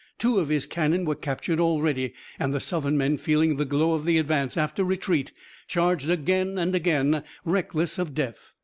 Two of his cannon were captured already, and the Southern men, feeling the glow of the advance after retreat, charged again and again, reckless of death.